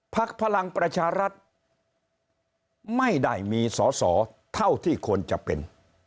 พลังประชารัฐไม่ได้มีสอสอเท่าที่ควรจะเป็น